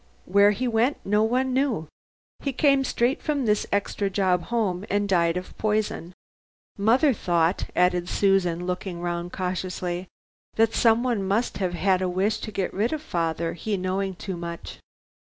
Where he went, no one knew. He came straight from this extra job home and died of poison. Mother thought," added Susan, looking round cautiously, "that someone must have had a wish to get rid of father, he knowing too much."